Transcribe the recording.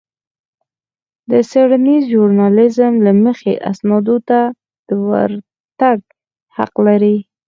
د څېړنيز ژورنالېزم له مخې اسنادو ته د ورتګ حق لرئ.